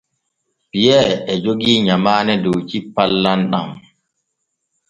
Piyee e jogii nyamaane dow cippal lamɗam.